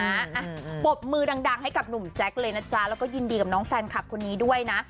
อ่ะปบมือดังให้กับหนุ่มแจ๊คเลยนะจ๊ะแล้วก็ยินดีกับน้องแฟนคลับคนนี้ด้วยนะ